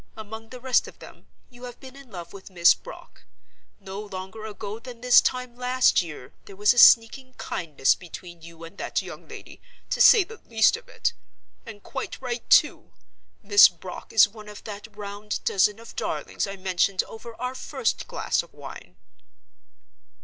Among the rest of them, you have been in love with Miss Brock. No longer ago than this time last year there was a sneaking kindness between you and that young lady, to say the least of it. And quite right, too! Miss Brock is one of that round dozen of darlings I mentioned over our first glass of wine."